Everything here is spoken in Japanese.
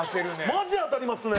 マジ当たりますね。